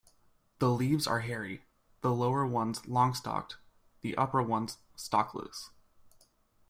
The leaves are hairy, the lower ones long-stalked, the upper ones stalkless.